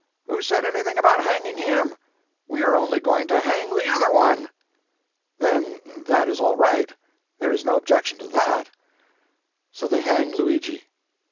"Who said anything about hanging him? We are only going to hang the other one." "Then that is all right there is no objection to that." So they hanged Luigi.